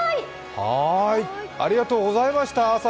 朝からありがとうございました。